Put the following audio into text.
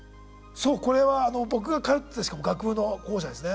そうこれは僕が通ってたしかも学部の校舎ですね。